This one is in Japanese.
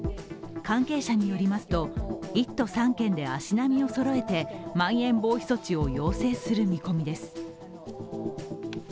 関係者によりますと、１都３県で足並みをそろえてまん延防止措置を要請する見込みです。